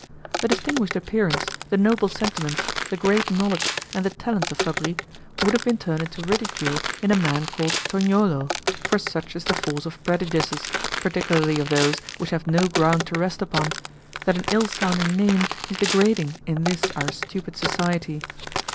The distinguished appearance, the noble sentiments, the great knowledge, and the talents of Fabris would have been turned into ridicule in a man called Tognolo, for such is the force of prejudices, particularly of those which have no ground to rest upon, that an ill sounding name is degrading in this our stupid society.